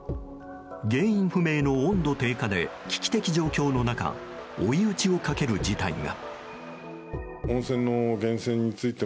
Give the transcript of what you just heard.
原因不明の温度低下で危機的状況の中追い打ちをかける事態が。